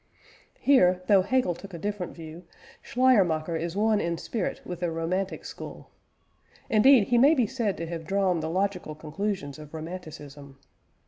Here, though Hegel took a different view, Schleiermacher is one in spirit with the Romantic school; indeed, he may be said to have drawn the logical conclusions of Romanticism.